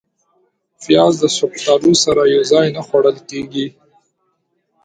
پیاز د شفتالو سره یو ځای نه خوړل کېږي